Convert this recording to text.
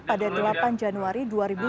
pada delapan januari dua ribu sembilan belas